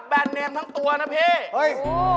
แบนเนมทั้งตัวนะพี่